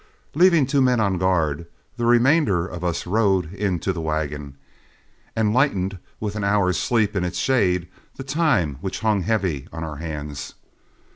Leaving two men on guard, the remainder of us rode in to the wagon, and lightened with an hour's sleep in its shade the time which hung heavy on our hands.